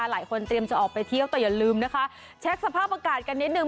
เตรียมจะออกไปเที่ยวแต่อย่าลืมนะคะเช็คสภาพอากาศกันนิดหนึ่ง